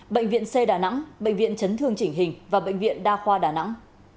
bệnh viện c đà nẵng bệnh viện chấn thương chỉnh hình và bệnh viện đa khoa đà nẵng